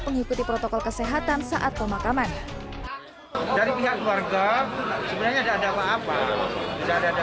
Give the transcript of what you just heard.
mengikuti protokol kesehatan saat pemakaman dari pihak keluarga sebenarnya ada apa apa tidak ada